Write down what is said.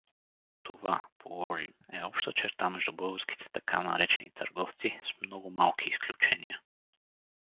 Това, положим, е обща черта между българските така наречени търговци, с много малки изключения.